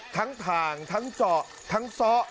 ถ่างทั้งเจาะทั้งซ้อ